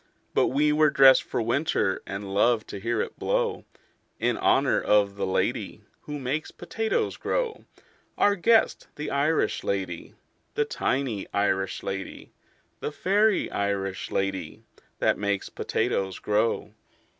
But we were dressed for winter, And loved to hear it blow In honor of the lady Who makes potatoes grow Our guest, the Irish lady, The tiny Irish lady, The fairy Irish lady That makes potatoes grow.